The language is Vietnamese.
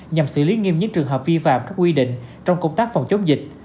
nhằm xử lý nghiêm những trường hợp vi phạm các quy định trong công tác phòng chống dịch